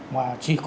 và chỉ có